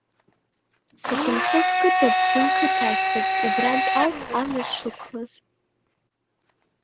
Сахьынхо сқыҭа Бзанқыҭ ахьӡуп, убрантә ауп амҩа сшықәлаз!